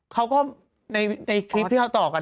เขาก็ในคลิปที่เขาต่อกัน